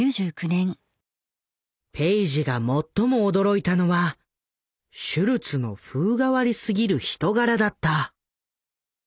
ペイジが最も驚いたのはシュルツの風変わりすぎる人柄だった。